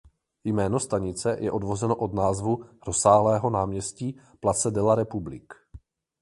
Jméno stanice je odvozeno od názvu rozsáhlého náměstí Place de la République.